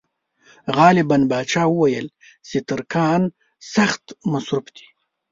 غالب پاشا وویل چې ترکان سخت مصروف دي.